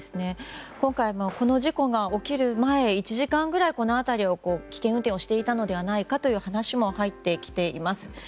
今回、この事故が起きる前１時間ぐらい、この辺りで危険運転をしていたのではないかという話も入ってきています。